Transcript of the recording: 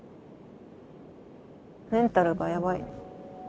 メンタルがやばい。